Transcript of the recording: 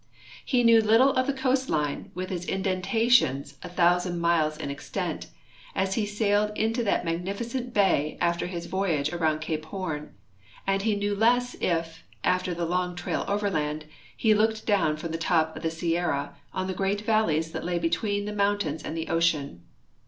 He knew little of the coastline, with its indentations a thousand miles in extent, as he sailed into that magnificent hay after his voyage around cape Horn, and he knew less if, after the long trail overland, he looked down from the top of the Sierra on the great valleys that lay between the mountains and the ocean.